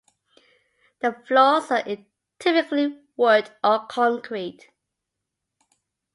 The floors are typically wood or concrete.